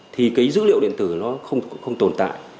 thì cái dữ liệu điện tử nó cũng không tồn tại